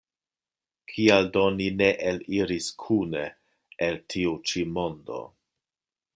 Kial do ni ne eliris kune el tiu ĉi mondo?